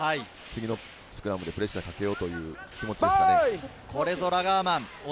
次のスクラムでプレッシャーをかけようという気持ちでしょうかね。